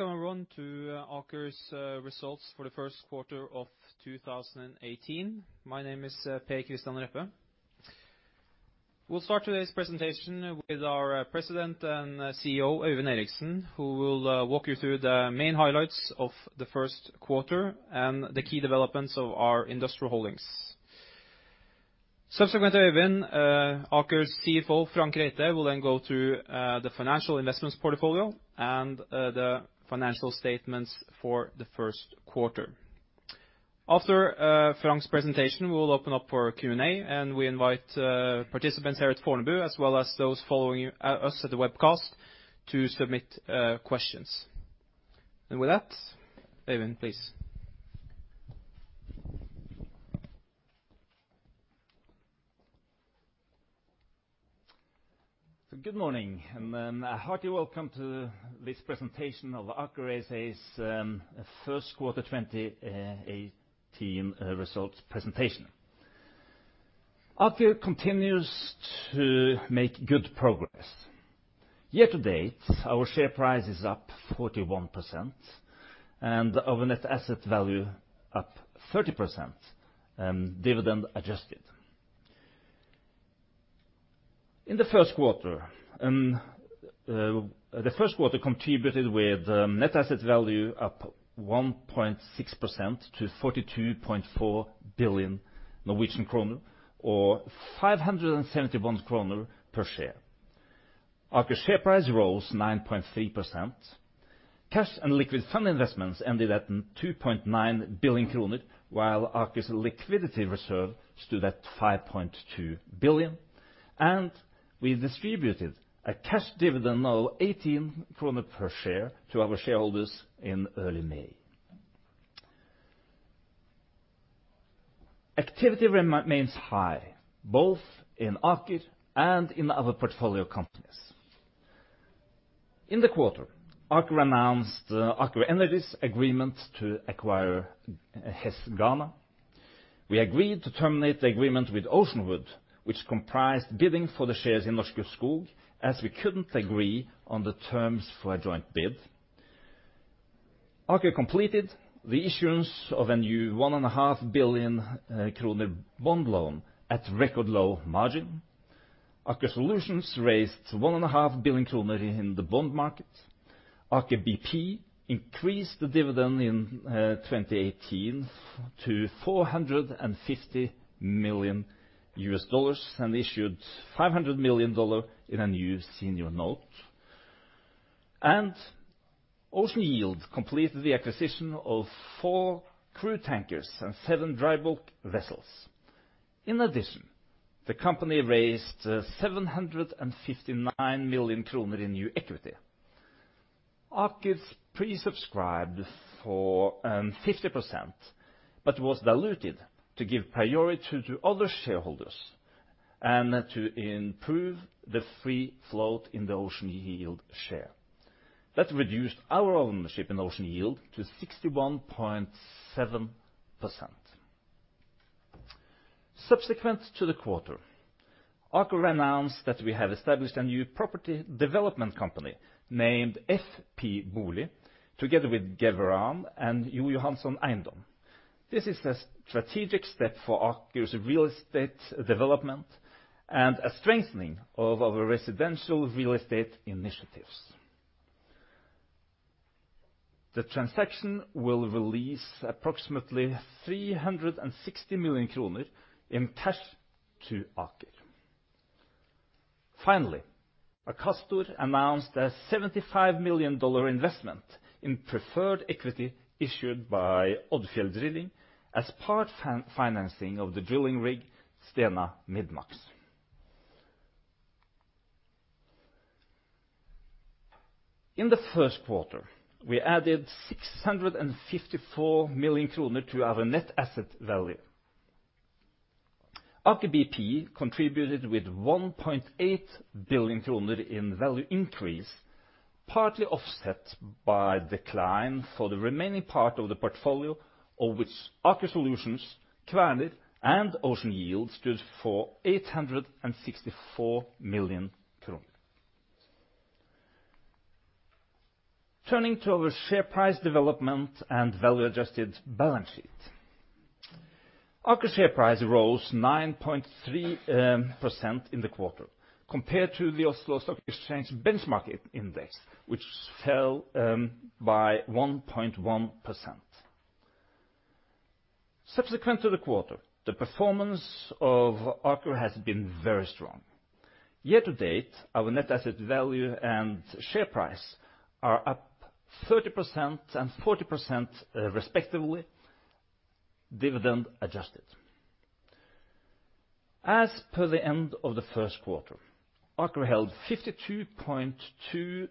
Welcome, everyone, to Aker's results for the first quarter of 2018. My name is Per Christian Reppe. We will start today's presentation with our President and CEO, Øyvind Eriksen, who will walk you through the main highlights of the first quarter and the key developments of our industrial holdings. Subsequent to Øyvind, Aker's CFO, Frank Reite, will then go through the financial investments portfolio and the financial statements for the first quarter. After Frank's presentation, we will open up for Q&A and we invite participants here at Fornebu, as well as those following us at the webcast, to submit questions. With that, Øyvind, please. Good morning, a hearty welcome to this presentation of Aker ASA's first quarter 2018 results presentation. Aker continues to make good progress. Year-to-date, our share price is up 41% and our net asset value up 30%, dividend adjusted. The first quarter contributed with net asset value up 1.6% to 42.4 billion Norwegian kroner, or 571 kroner per share. Aker's share price rose 9.3%. Cash and liquid fund investments ended at 2.9 billion kroner, while Aker's liquidity reserve stood at 5.2 billion, and we distributed a cash dividend of 18 kroner per share to our shareholders in early May. Activity remains high, both in Aker and in the other portfolio companies. In the quarter, Aker announced Aker Energy's agreement to acquire Hess Ghana. We agreed to terminate the agreement with Oceanwood, which comprised bidding for the shares in Norske Skog, as we couldn't agree on the terms for a joint bid. Aker completed the issuance of a new 1.5 billion kroner bond loan at record low margin. Aker Solutions raised 1.5 billion kroner in the bond market. Aker BP increased the dividend in 2018 to $450 million and issued $500 million in a new senior note. Ocean Yield completed the acquisition of four crude tankers and seven dry bulk vessels. In addition, the company raised 759 million kroner in new equity. Aker pre-subscribed for 50%, but was diluted to give priority to other shareholders and to improve the free float in the Ocean Yield share. That reduced our ownership in Ocean Yield to 61.7%. Subsequent to the quarter, Aker announced that we have established a new property development company named FP Bolig, together with Geveran and Joh. Johannson Eiendom. This is a strategic step for Aker's real estate development and a strengthening of our residential real estate initiatives. The transaction will release approximately 360 million kroner in cash to Aker. Finally, Akastor announced a NOK 75 million investment in preferred equity issued by Odfjell Drilling as part financing of the drilling rig, Stena MidMAX. In the first quarter, we added 654 million kroner to our net asset value. Aker BP contributed with 1.8 billion kroner in value increase, partly offset by decline for the remaining part of the portfolio, of which Aker Solutions, Kværner, and Ocean Yield stood for 864 million kroner. Turning to our share price development and value-adjusted balance sheet. Aker's share price rose 9.3% in the quarter compared to the Oslo Stock Exchange benchmark index, which fell by 1.1%. Subsequent to the quarter, the performance of Aker has been very strong. Year to date, our net asset value and share price are up 30% and 40% respectively, dividend adjusted. As per the end of the first quarter, Aker held 52.2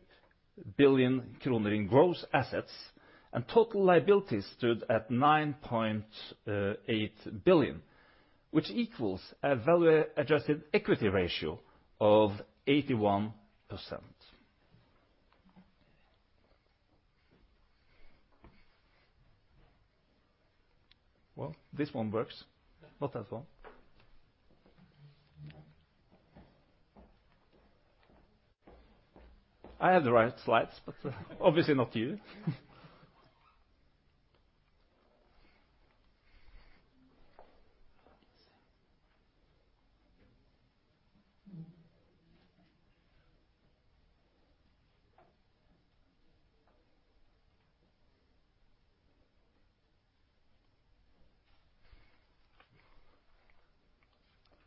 billion kroner in gross assets, and total liabilities stood at 9.8 billion, which equals a value adjusted equity ratio of 81%. Well, this one works. Not that one I have the right slides, but obviously not you.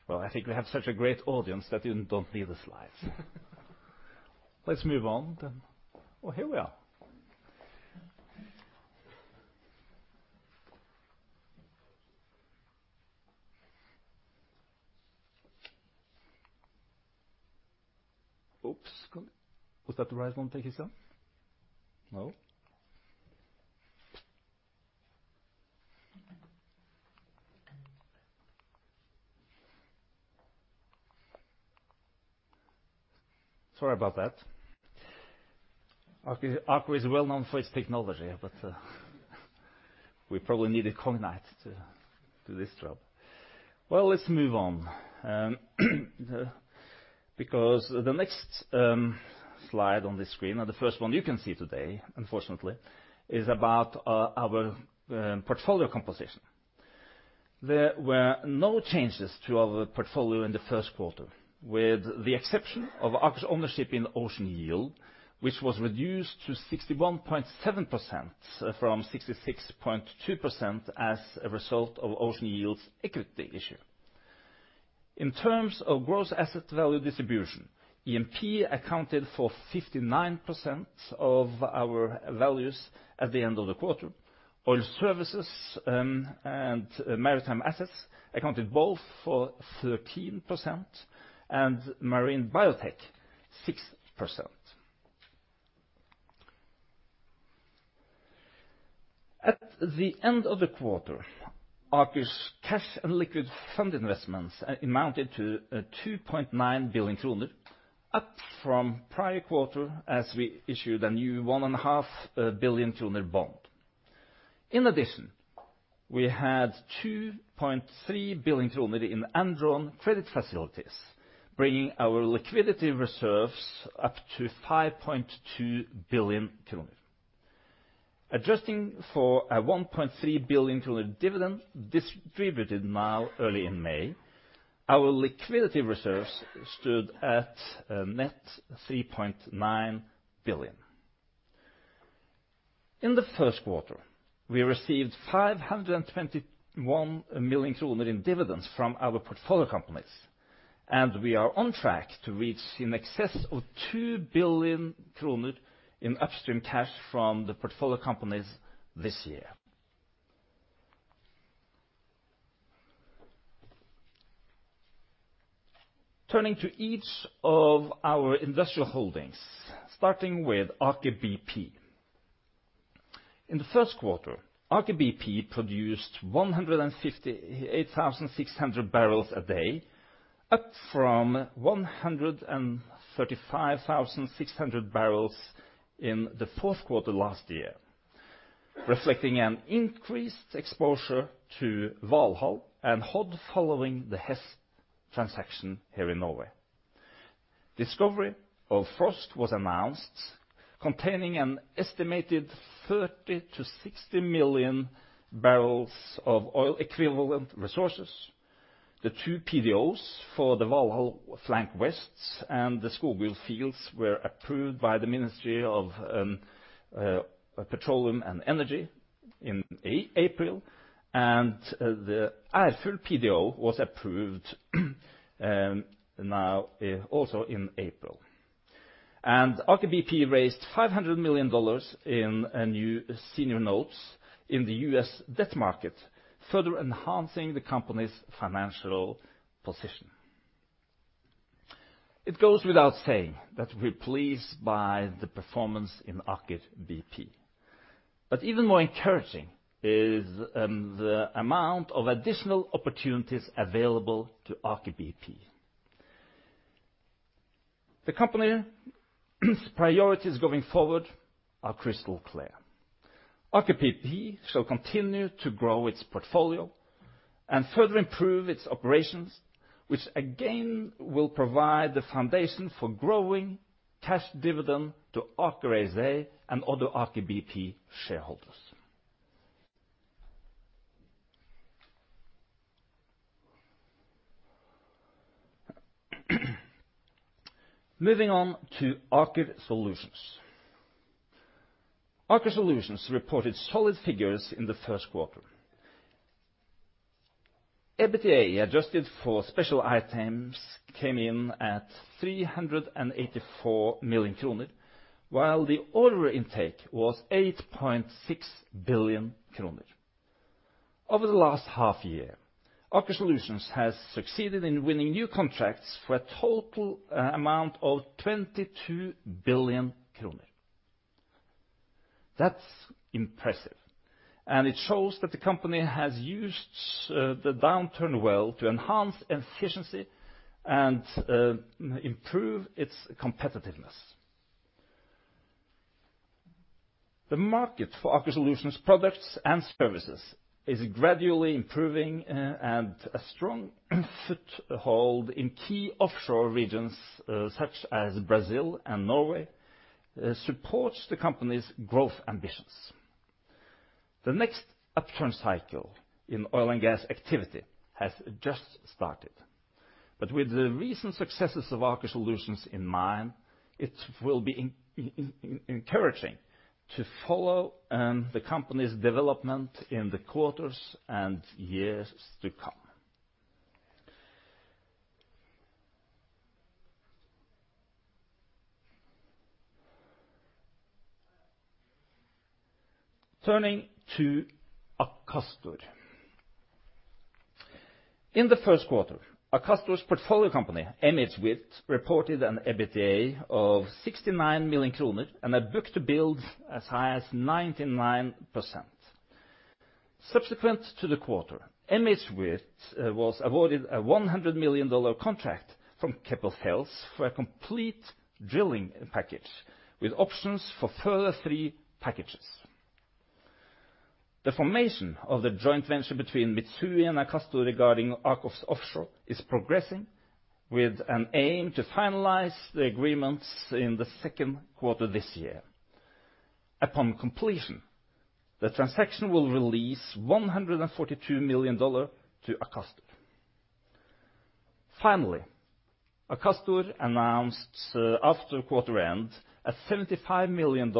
Well, I think we have such a great audience that you don't need the slides. Let's move on. Well, here we are. Oops. Was that the right one, Takezo? No. Sorry about that. Aker is well known for its technology, but we probably needed Cognite to do this job. Well, let's move on. The next slide on this screen, or the first one you can see today, unfortunately, is about our portfolio composition. There were no changes to our portfolio in the first quarter with the exception of Aker's ownership in Ocean Yield, which was reduced to 61.7% from 66.2% as a result of Ocean Yield's equity issue. In terms of gross asset value distribution, E&P accounted for 59% of our values at the end of the quarter. Oil services and maritime assets accounted both for 13% and marine biotech 6%. At the end of the quarter, Aker's cash and liquid fund investments amounted to 2.9 billion kroner, up from prior quarter as we issued a new 1.5 billion kroner bond. In addition, we had 2.3 billion kroner in undrawn credit facilities, bringing our liquidity reserves up to 5.2 billion. Adjusting for a 1.3 billion dividend distributed now, early in May, our liquidity reserves stood at a net 3.9 billion. In the first quarter, we received 521 million kroner in dividends from our portfolio companies, and we are on track to reach in excess of 2 billion kroner in upstream cash from the portfolio companies this year. Turning to each of our industrial holdings, starting with Aker BP. In the first quarter, Aker BP produced 158,600 barrels a day, up from 135,600 barrels in the fourth quarter last year, reflecting an increased exposure to Valhall and Hod following the Hess transaction here in Norway. Discovery of Frosk was announced, containing an estimated 30 to 60 million barrels of oil equivalent resources. The two PDOs for the Valhall Flank West and the Skogul fields were approved by the Ministry of Petroleum and Energy in April, and the Ærfugl PDO was approved now also in April. Aker BP raised $500 million in new senior notes in the U.S. debt market, further enhancing the company's financial position. It goes without saying that we're pleased by the performance in Aker BP. Even more encouraging is the amount of additional opportunities available to Aker BP. The company priorities going forward are crystal clear. Aker BP shall continue to grow its portfolio and further improve its operations, which again will provide the foundation for growing cash dividend to Aker ASA and other Aker BP shareholders. Moving on to Aker Solutions. Aker Solutions reported solid figures in the first quarter. EBITDA adjusted for special items came in at 384 million kroner, while the order intake was 8.6 billion kroner. Over the last half year, Aker Solutions has succeeded in winning new contracts for a total amount of 22 billion kroner. That's impressive. It shows that the company has used the downturn well to enhance efficiency and improve its competitiveness. The market for Aker Solutions products and services is gradually improving, and a strong foothold in key offshore regions such as Brazil and Norway supports the company's growth ambitions. The next upturn cycle in oil and gas activity has just started, but with the recent successes of Aker Solutions in mind, it will be encouraging to follow the company's development in the quarters and years to come. Turning to Akastor. In the first quarter, Akastor's portfolio company, MHWirth, reported an EBITDA of 69 million kroner and a book-to-bill as high as 99%. Subsequent to the quarter, MHWirth was awarded a NOK 100 million contract from Keppel FELS for a complete drilling package, with options for further three packages. The formation of the joint venture between Mitsui and Akastor regarding AKOFS Offshore is progressing with an aim to finalize the agreements in the second quarter this year. Upon completion, the transaction will release NOK 142 million to Akastor. Finally, Akastor announced after quarter end a NOK 75 million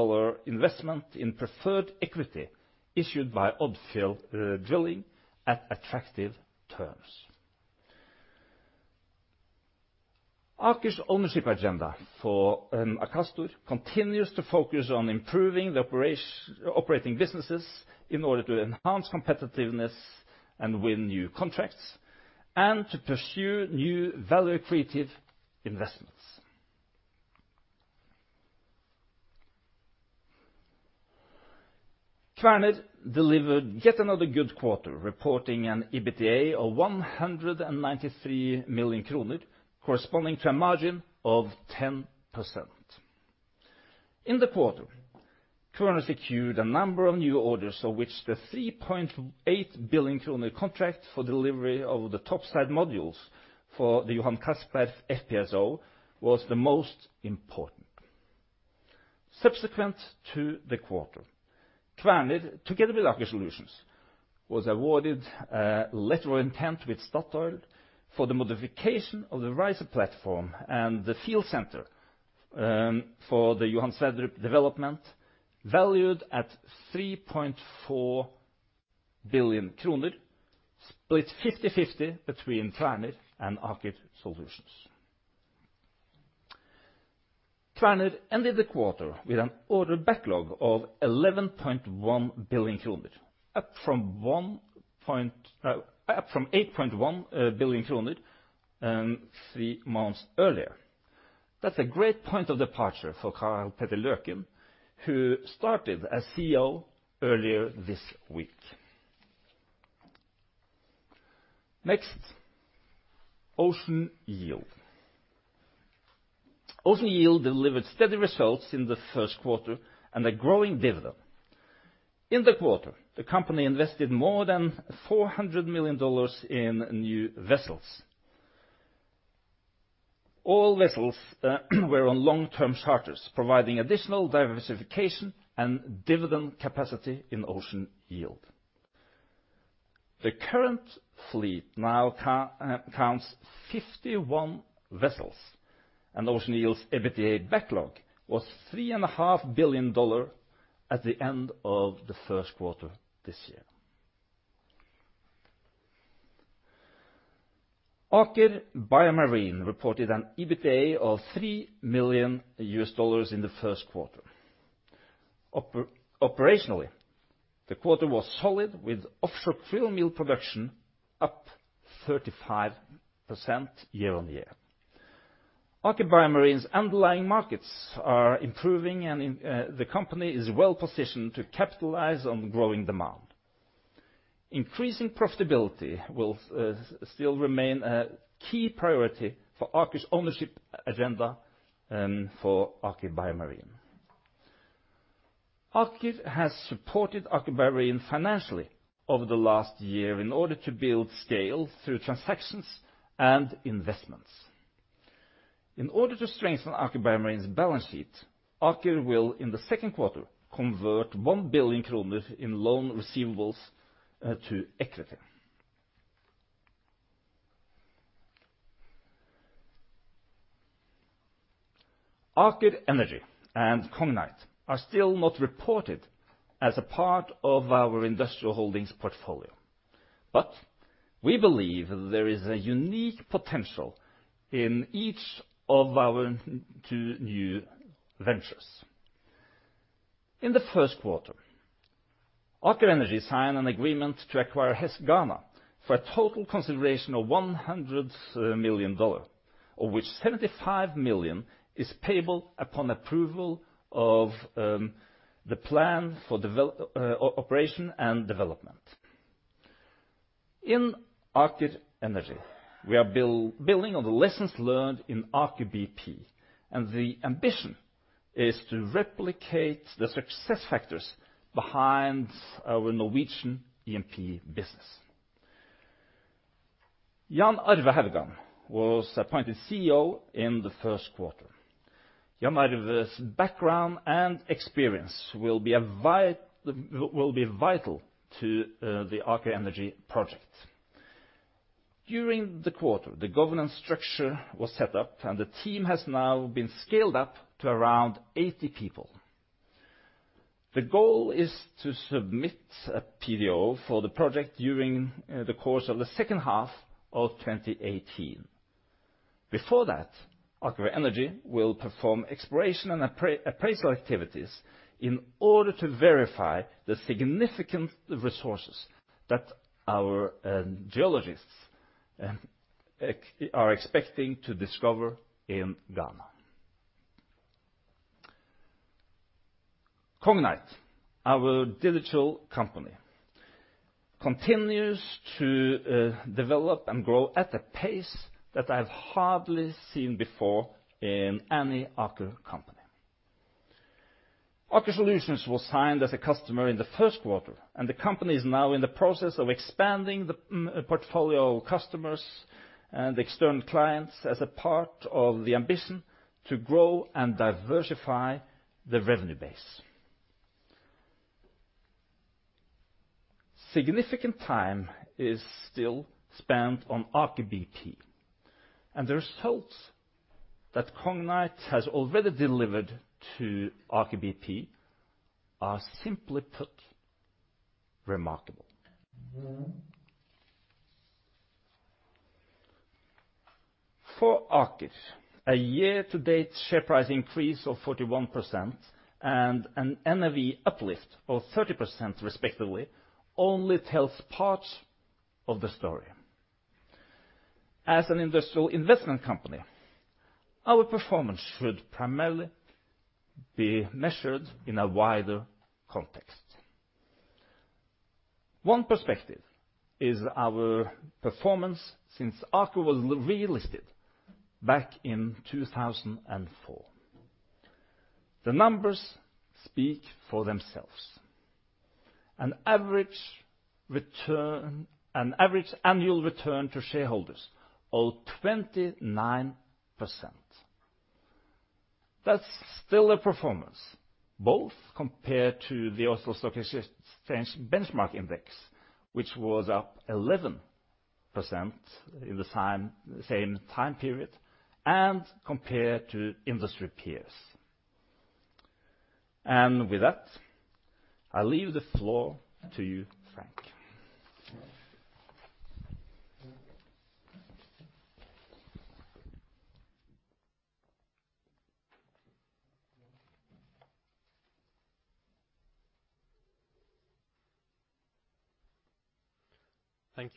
investment in preferred equity issued by Odfjell Drilling at attractive terms. Aker's ownership agenda for Akastor continues to focus on improving the operating businesses in order to enhance competitiveness and win new contracts, and to pursue new value creative investments. Kværner delivered yet another good quarter, reporting an EBITDA of 193 million kroner, corresponding to a margin of 10%. In the quarter, Kværner secured a number of new orders, of which the 3.8 billion kroner contract for delivery of the topside modules for the Johan Castberg FPSO was the most important. Subsequent to the quarter, Kværner, together with Aker Solutions, was awarded a letter of intent with Statoil for the modification of the riser platform and the field center for the Johan Sverdrup development, valued at 3.4 billion kroner, split 50/50 between Kværner and Aker Solutions. Kværner ended the quarter with an order backlog of 11.1 billion kroner, up from 8.1 billion kroner three months earlier. That's a great point of departure for Karl Petter Løken, who started as CEO earlier this week. Next, Ocean Yield. Ocean Yield delivered steady results in the first quarter and a growing dividend. In the quarter, the company invested more than NOK 400 million in new vessels. All vessels were on long-term charters, providing additional diversification and dividend capacity in Ocean Yield. The current fleet now counts 51 vessels, and Ocean Yield's EBITDA backlog was NOK 3.5 billion at the end of the first quarter this year. Aker BioMarine reported an EBITDA of NOK 3 million in the first quarter. Operationally, the quarter was solid, with offshore krill meal production up 35% year-over-year. Aker BioMarine's underlying markets are improving, and the company is well-positioned to capitalize on growing demand. Increasing profitability will still remain a key priority for Aker's ownership agenda for Aker BioMarine. Aker has supported Aker BioMarine financially over the last year in order to build scale through transactions and investments. In order to strengthen Aker BioMarine's balance sheet, Aker will, in the second quarter, convert 1 billion kroner in loan receivables to equity. Aker Energy and Cognite are still not reported as a part of our industrial holdings portfolio, but we believe there is a unique potential in each of our two new ventures. In the first quarter, Aker Energy signed an agreement to acquire Hess Ghana for a total consideration of $100 million, of which $75 million is payable upon approval of the plan for operation and development. In Aker Energy, we are building on the lessons learned in Aker BP, and the ambition is to replicate the success factors behind our Norwegian E&P business. Jan Arve Haugan was appointed CEO in the first quarter. Jan Arve's background and experience will be vital to the Aker Energy project. During the quarter, the governance structure was set up and the team has now been scaled up to around 80 people. The goal is to submit a PDO for the project during the course of the second half of 2018. Before that, Aker Energy will perform exploration and appraisal activities in order to verify the significant resources that our geologists are expecting to discover in Ghana. Cognite, our digital company, continues to develop and grow at a pace that I've hardly seen before in any Aker company. Aker Solutions was signed as a customer in the first quarter, and the company is now in the process of expanding the portfolio of customers and external clients as a part of the ambition to grow and diversify the revenue base. Significant time is still spent on Aker BP, and the results that Cognite has already delivered to Aker BP are, simply put, remarkable. For Aker, a year-to-date share price increase of 41% and an NAV uplift of 30% respectively only tells part of the story. As an industrial investment company, our performance should primarily be measured in a wider context. One perspective is our performance since Aker was relisted back in 2004. The numbers speak for themselves. An average annual return to shareholders of 29%. That's still a performance, both compared to the Oslo Stock Exchange benchmark index, which was up 11% in the same time period, and compared to industry peers. With that, I leave the floor to you, Frank. Thank you,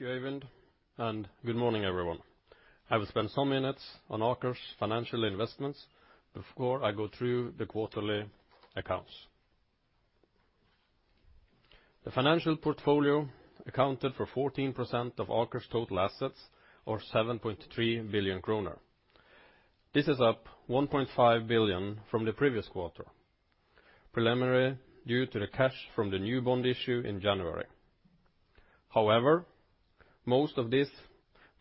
Øyvind. Good morning, everyone. I will spend some minutes on Aker's financial investments before I go through the quarterly accounts. The financial portfolio accounted for 14% of Aker's total assets or 7.3 billion kroner. This is up 1.5 billion from the previous quarter, preliminary due to the cash from the new bond issue in January. However, most of this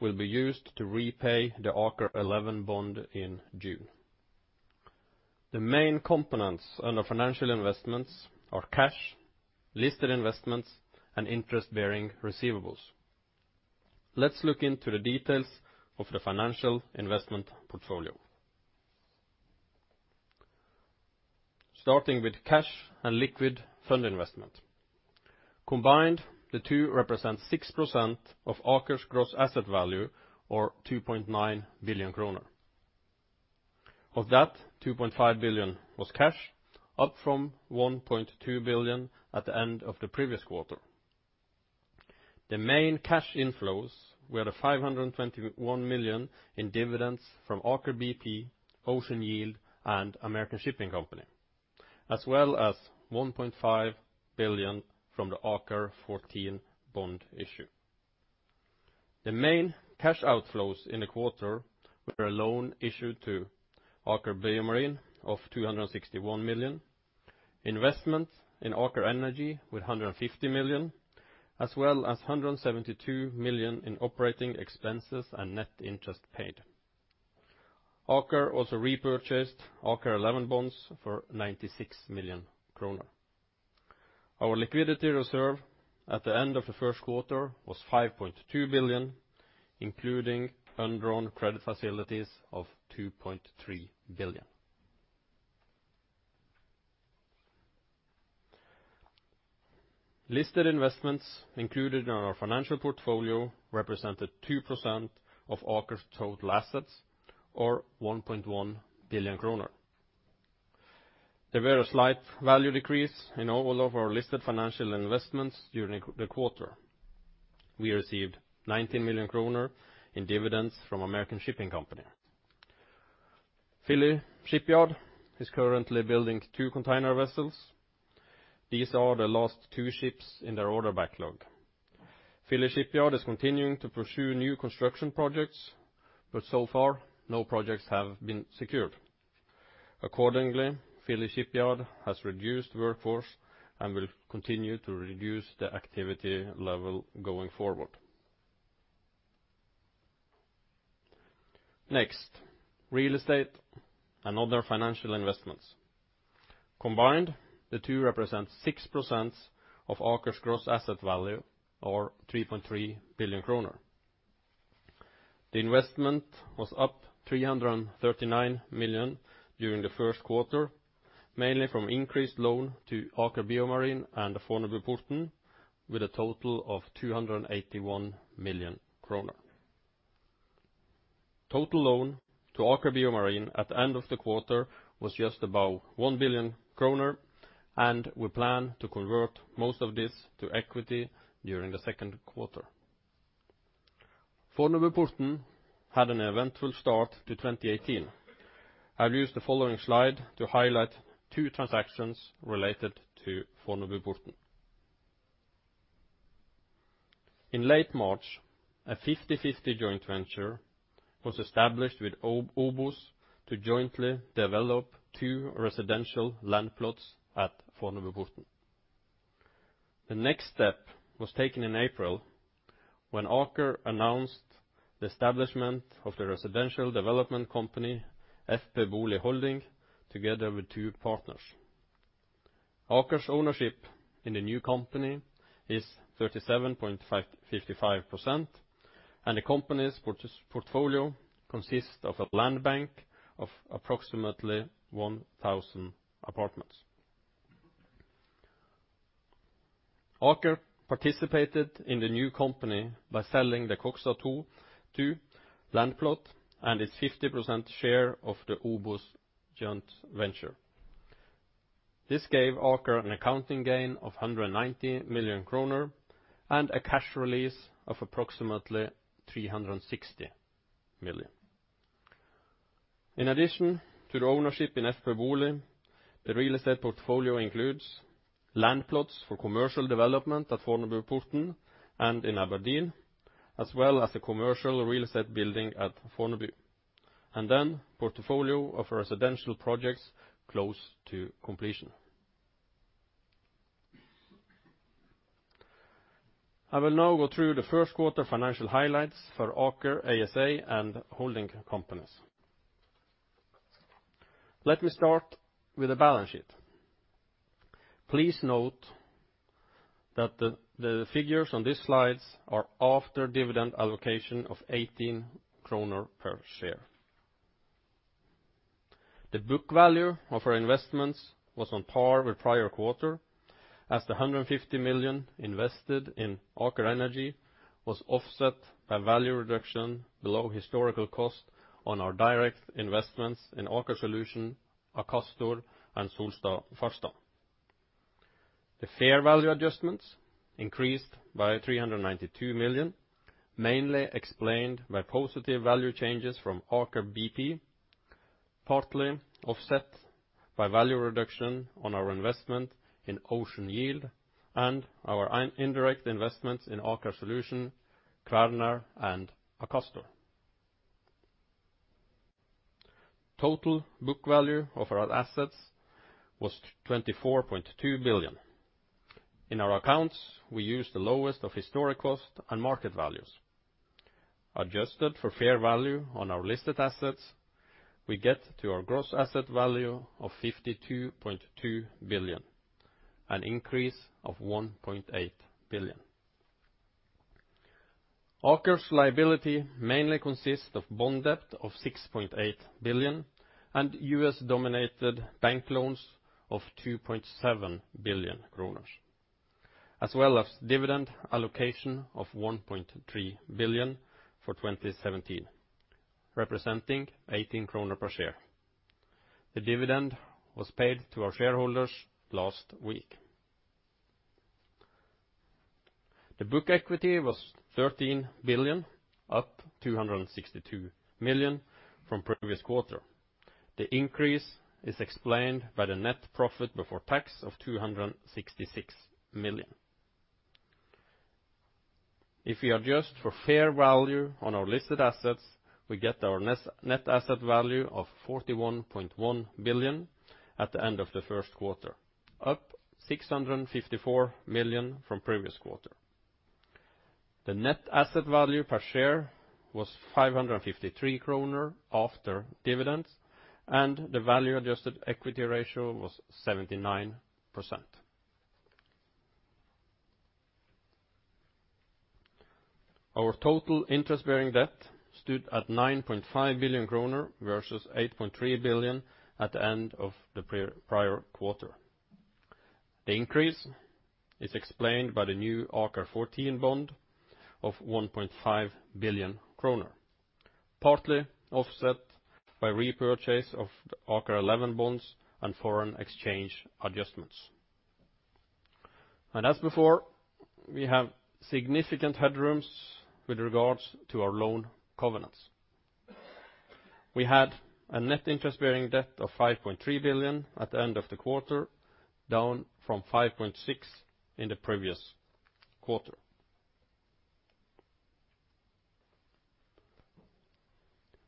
will be used to repay the AKER11 bond in June. The main components under financial investments are cash, listed investments, and interest-bearing receivables. Let's look into the details of the financial investment portfolio. Starting with cash and liquid fund investment, combined, the two represent 6% of Aker's gross asset value, or 2.9 billion kroner. Of that, 2.5 billion was cash, up from 1.2 billion at the end of the previous quarter. The main cash inflows were the 521 million in dividends from Aker BP, Ocean Yield, and American Shipping Company, as well as 1.5 billion from the AKER14 bond issue. The main cash outflows in the quarter were a loan issued to Aker BioMarine of 261 million, investment in Aker Energy with 150 million, as well as 172 million in operating expenses and net interest paid. Aker also repurchased AKER11 bonds for 96 million kroner. Our liquidity reserve at the end of the first quarter was 5.2 billion, including undrawn credit facilities of 2.3 billion. Listed investments included in our financial portfolio represented 2% of Aker's total assets or 1.1 billion kroner. There was a slight value decrease in all of our listed financial investments during the quarter. We received 19 million kroner in dividends from American Shipping Company. Philly Shipyard is currently building two container vessels. These are the last two ships in their order backlog. Philly Shipyard is continuing to pursue new construction projects, so far, no projects have been secured. Accordingly, Philly Shipyard has reduced workforce and will continue to reduce the activity level going forward. Real estate and other financial investments. Combined, the two represent 6% of Aker's gross asset value, or 3.3 billion kroner. The investment was up 339 million during the first quarter, mainly from increased loan to Aker BioMarine and Fornebuporten, with a total of 281 million kroner. Total loan to Aker BioMarine at the end of the quarter was just above 1 billion kroner, we plan to convert most of this to equity during the second quarter. Fornebuporten had an eventful start to 2018. I'll use the following slide to highlight two transactions related to Fornebuporten. In late March, a 50/50 joint venture was established with OBOS to jointly develop two residential land plots at Fornebuporten. The next step was taken in April, when Aker announced the establishment of the residential development company, FP Bolig Holding, together with two partners. Aker's ownership in the new company is 37.55%, the company's portfolio consists of a land bank of approximately 1,000 apartments. Aker participated in the new company by selling the Koksa 2 land plot and its 50% share of the OBOS joint venture. This gave Aker an accounting gain of 190 million kroner and a cash release of approximately 360 million. In addition to the ownership in FP Bolig, the real estate portfolio includes land plots for commercial development at Fornebuporten and in Aberdeen, as well as the commercial real estate building at Fornebu, portfolio of residential projects close to completion. I will now go through the first quarter financial highlights for Aker ASA and holding companies. Let me start with the balance sheet. Please note that the figures on these slides are after dividend allocation of 18 kroner per share. The book value of our investments was on par with prior quarter, as the 150 million invested in Aker Energy was offset by value reduction below historical cost on our direct investments in Aker Solutions, Akastor, and Solstad Farstad. The fair value adjustments increased by 392 million, mainly explained by positive value changes from Aker BP, partly offset by value reduction on our investment in Ocean Yield and our indirect investments in Aker Solutions, Kvaerner, and Akastor. Total book value of our assets was 24.2 billion. In our accounts, we use the lowest of historic cost and market values. Adjusted for fair value on our listed assets, we get to our gross asset value of 52.2 billion, an increase of 1.8 billion. Aker's liability mainly consists of bond debt of 6.8 billion and U.S.-denominated bank loans of 2.7 billion kroner, as well as dividend allocation of 1.3 billion for 2017, representing 18 kroner per share. The dividend was paid to our shareholders last week. The book equity was 13 billion, up 262 million from previous quarter. The increase is explained by the net profit before tax of 266 million. If we adjust for fair value on our listed assets, we get our net asset value of 41.1 billion at the end of the first quarter, up 654 million from previous quarter. The net asset value per share was 553 kroner after dividends, and the value-adjusted equity ratio was 79%. Our total interest-bearing debt stood at 9.5 billion kroner versus 8.3 billion at the end of the prior quarter. The increase is explained by the new AKER14 bond of 1.5 billion kroner, partly offset by repurchase of the AKER11 bonds and foreign exchange adjustments. As before, we have significant headrooms with regards to our loan covenants. We had a net interest-bearing debt of 5.3 billion at the end of the quarter, down from 5.6 billion in the previous quarter.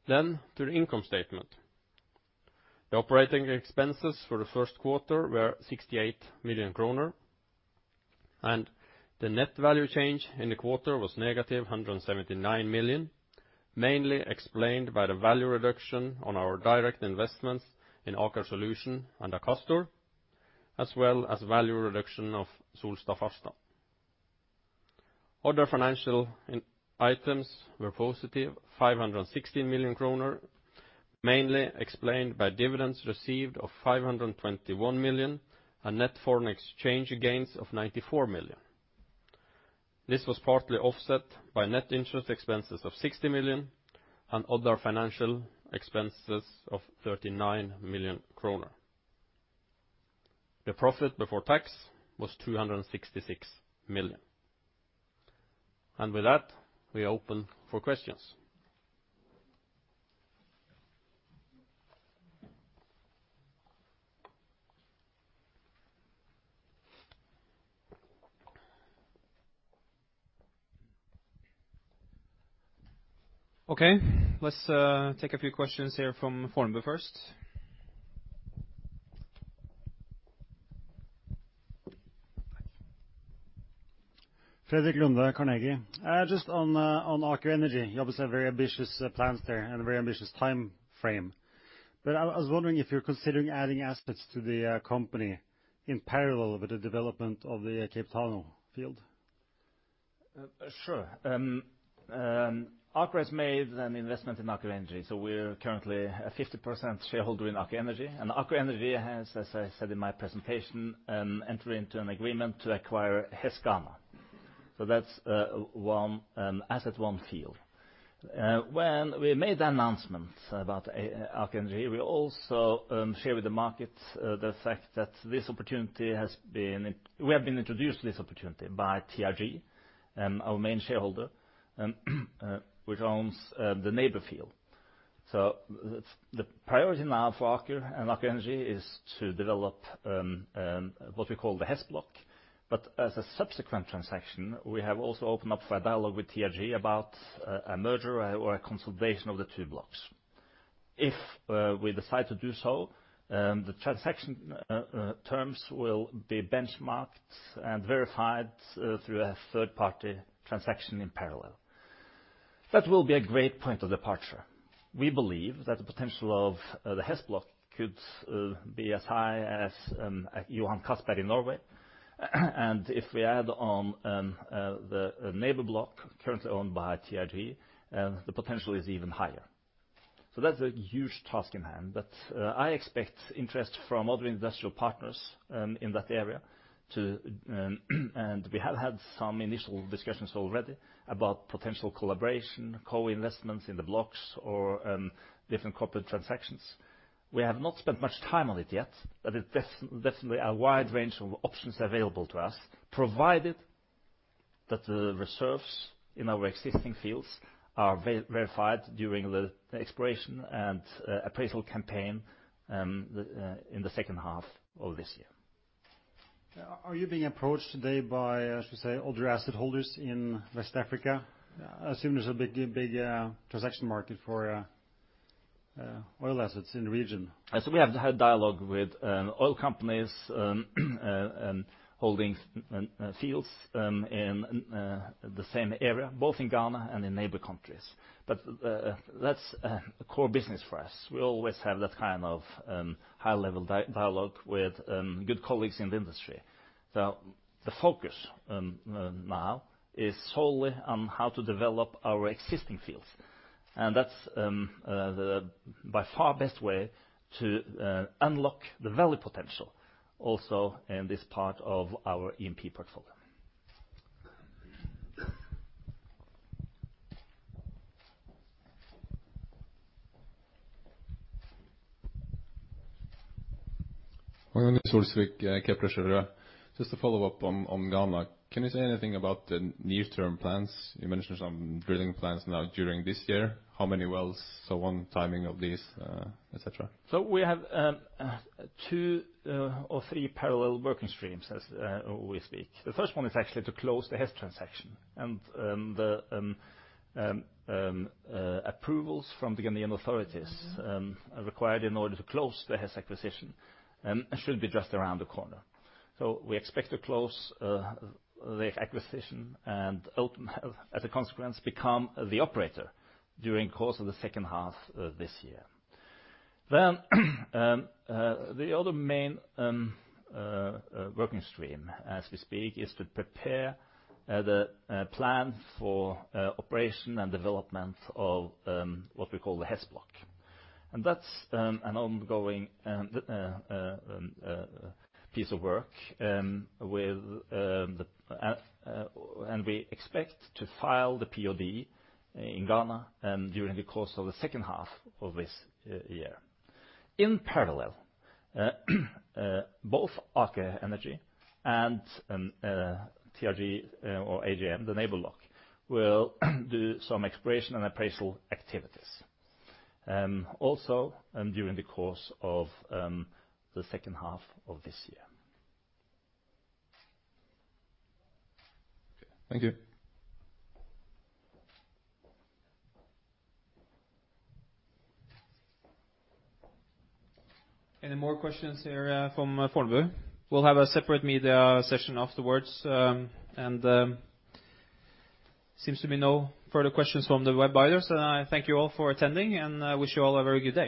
To the income statement. The operating expenses for the first quarter were 68 million kroner, and the net value change in the quarter was negative 179 million, mainly explained by the value reduction on our direct investments in Aker Solutions and Akastor, as well as value reduction of Solstad Farstad. Other financial items were positive 516 million kroner, mainly explained by dividends received of 521 million, and net foreign exchange gains of 94 million. This was partly offset by net interest expenses of 60 million and other financial expenses of 39 million kroner. The profit before tax was 266 million. With that, we open for questions. Okay, let's take a few questions here from Fornebu first. Thank you. Fredrik Lunde, Carnegie. Just on Aker Energy, you obviously have very ambitious plans there and a very ambitious time frame. I was wondering if you're considering adding assets to the company in parallel with the development of the Cape Three Points field. Sure. Aker has made an investment in Aker Energy, so we're currently a 50% shareholder in Aker Energy. Aker Energy has, as I said in my presentation, entered into an agreement to acquire Hess Ghana. That's asset one field. When we made the announcement about Aker Energy, we also shared with the market the fact that we have been introduced to this opportunity by TRG, our main shareholder, which owns the neighbor field. The priority now for Aker and Aker Energy is to develop what we call the Hess Block. As a subsequent transaction, we have also opened up for a dialogue with TRG about a merger or a consolidation of the two blocks. If we decide to do so, the transaction terms will be benchmarked and verified through a third-party transaction in parallel. That will be a great point of departure. We believe that the potential of the Hess Block could be as high as Johan Castberg in Norway. If we add on the neighbor block currently owned by TRG, the potential is even higher. That's a huge task in hand, but I expect interest from other industrial partners in that area too, and we have had some initial discussions already about potential collaboration, co-investments in the blocks, or different corporate transactions. We have not spent much time on it yet, but there's definitely a wide range of options available to us, provided that the reserves in our existing fields are verified during the exploration and appraisal campaign in the second half of this year. Are you being approached today by, I should say, other asset holders in West Africa? I assume there's a big transaction market for oil assets in the region. We have had dialogue with oil companies holding fields in the same area, both in Ghana and in neighbor countries. That's a core business for us. We always have that kind of high-level dialogue with good colleagues in the industry. The focus now is solely on how to develop our existing fields, and that's the, by far, best way to unlock the value potential also in this part of our E&P portfolio. Magnus Olsvik, Kepler Cheuvreux. Just to follow up on Ghana. Can you say anything about the near-term plans? You mentioned some drilling plans now during this year. How many wells? On timing of these, et cetera. We have two or three parallel working streams as we speak. The first one is actually to close the Hess transaction, and the approvals from the Ghanaian authorities required in order to close the Hess acquisition should be just around the corner. We expect to close the acquisition and, as a consequence, become the operator during the course of the second half of this year. The other main working stream, as we speak, is to prepare the plan for operation and development of what we call the Hess Block. That's an ongoing piece of work, and we expect to file the POD in Ghana during the course of the second half of this year. In parallel, both Aker Energy and TRG or AGM, the neighbor block, will do some exploration and appraisal activities also during the course of the second half of this year. Okay. Thank you. Any more questions here from Fornebu? We'll have a separate media session afterwards. There seems to be no further questions from the web dialers. I thank you all for attending, and I wish you all a very good day.